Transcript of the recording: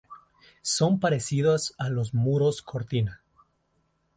Son parecidas a los muros cortina.